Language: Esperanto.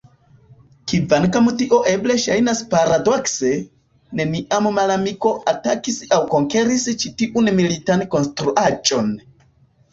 Kvankam tio eble ŝajnas paradokse, neniam malamiko atakis aŭ konkeris ĉi tiun militan konstruaĵon.